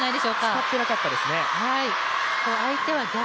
使ってなかったですね。